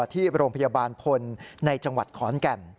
ที่โรงพยาบาลพลในจังหวัดขอนแก่น